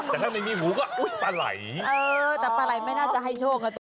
แต่ถ้าไม่มีหมูก็อุ้ยปลาไหล่เออแต่ปลาไหล่ไม่น่าจะให้โชคนะตัว